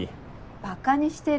バカにしてる？